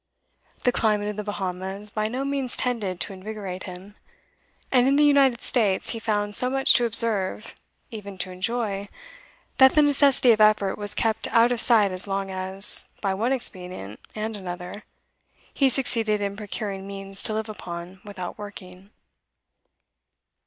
The climate of the Bahamas by no means tended to invigorate him, and in the United States he found so much to observe, even to enjoy, that the necessity of effort was kept out of sight as long as, by one expedient and another, he succeeded in procuring means to live upon without working.